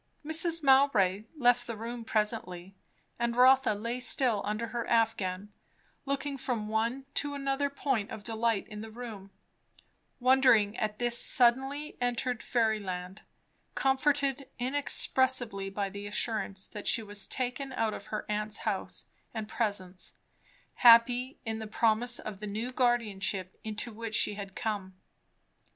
Mrs. Mowbray left the room presently; and Rotha lay still under her affghan, looking from one to another point of delight in the room, wondering at this suddenly entered fairyland, comforted inexpressibly by the assurance that she was taken out of her aunt's house and presence, happy in the promise of the new guardianship into which she had come.